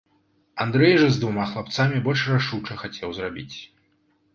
Андрэй жа з двума хлапцамі больш рашуча хацеў зрабіць.